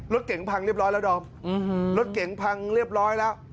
รถเก๋งพังเรียบร้อยแล้วดอมรถเก๋งพังเรียบร้อยแล้ว